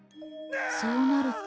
そうなると」。